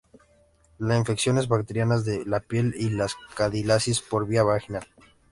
En infecciones bacterianas de la piel; y en candidiasis por vía vaginal.